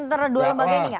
antara dua lembaga ini gak